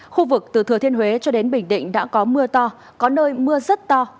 khu vực từ thừa thiên huế cho đến bình định đã có mưa to có nơi mưa rất to